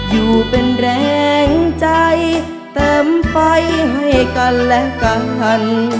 อยู่เป็นแรงใจเติมไฟให้กันและกัน